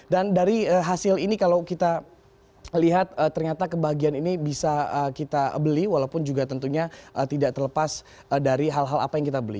dan dari hasil ini kalau kita lihat ternyata kebahagiaan ini bisa kita beli walaupun juga tentunya tidak terlepas dari hal hal apa yang kita beli